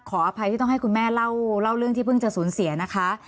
ขออภัยที่ต้องให้คุณแม่เล่าเรื่องที่เพิ่งจะสูญเสียนะคะ